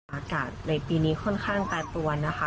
อากาศในปีนี้ค่อนข้างแปรปรวนนะคะ